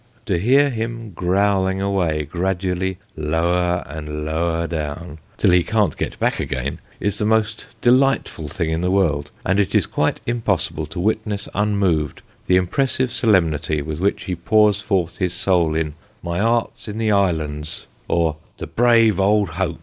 To hear him growling away, gradually lower and lower down, till he can't get back again, is the most delightful thing in the world, and it is quite impossible to witness unmoved the impres sive solemnity with which he pours forth his soul in " My 'art's in the 'ighlands," or " The brave old Hoak."